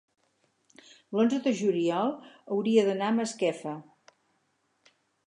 l'onze de juliol hauria d'anar a Masquefa.